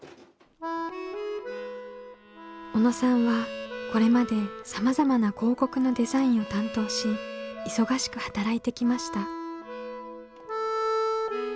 小野さんはこれまでさまざまな広告のデザインを担当し忙しく働いてきました。